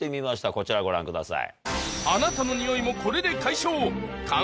こちらをご覧ください。